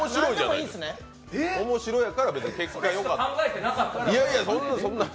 おもしろやから、結果よかった。